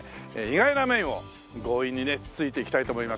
意外な面を強引にねつついていきたいと思いますね。